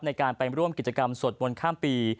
ในการไปร่วมกิจกรรมสวดมนต์ข้ามปี